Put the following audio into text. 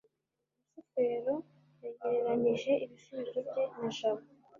rusufero yagereranije ibisubizo bye na jabo